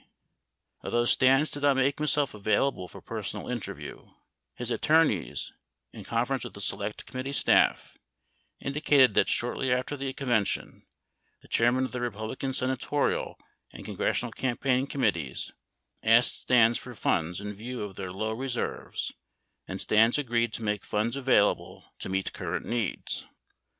Although Stans did not, make himself available for personal interview, his attorneys, in conference, with the Select Committee staff, indicated that, shortly after the convention, the chairmen of the Republican senatorial and congressional campaign committees asked Stans for funds in view of their low reserves and Stans agreed to make funds available to meet current needs.